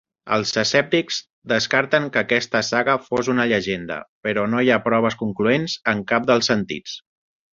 Els escèptics descarten que aquesta saga fos una llegenda, però no hi ha proves concloents en cap dels sentits.